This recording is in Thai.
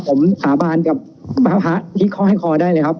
ผมสาบานกับพระที่ข้อให้คอได้เลยครับ